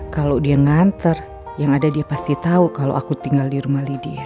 kalo dia nganter yang ada dia pasti tau kalo aku tinggal di rumah lydia